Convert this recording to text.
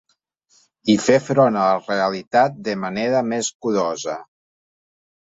I fer front a la realitat de manera més curosa.